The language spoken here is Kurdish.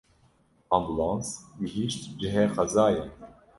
Ambûlans gihîşt cihê qezayê.